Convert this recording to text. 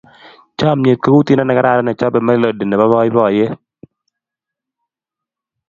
Chomnyet kou tyendo ne kararan nechobei melody nebo boiboiyet.